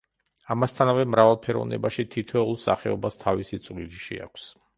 ამასთანავე მრავალფეროვნებაში თითოეულ სახეობას თავისი წვლილი შეაქვს.